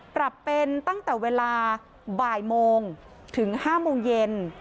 ปรับเป็นตั้งแต่เวลาบ่ายโมงถึง๕โมงเย็น